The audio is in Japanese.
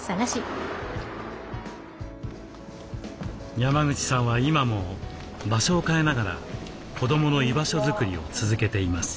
山口さんは今も場所を変えながら子どもの居場所作りを続けています。